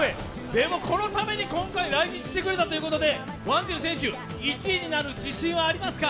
でもこのために今回来日してくれたということで、ワンジル選手、１位になる自信はありますか？